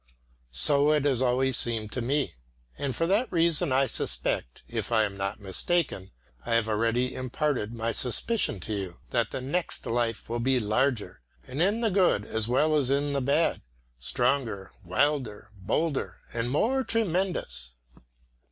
So it has always seemed to me. And for that reason I suspect if I am not mistaken, I have already imparted my suspicion to you that the next life will be larger, and in the good as well as in the bad, stronger, wilder, bolder and more tremendous.